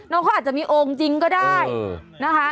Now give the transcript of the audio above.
เขาอาจจะมีโอ่งจริงก็ได้นะคะ